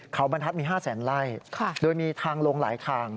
เขาบรรทัดมี๕๐๐๐๐๐ไล่โดยมีทางลงหลายทาง